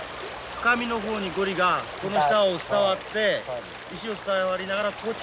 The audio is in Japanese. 深みの方にゴリがこの下を伝わって石を伝わりながらこっちへ来るわけですねこうやって。